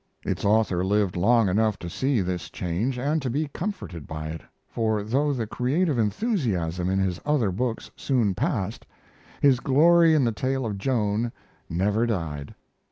Its author lived long enough to see this change and to be comforted by it, for though the creative enthusiasm in his other books soon passed, his glory in the tale of Joan never died.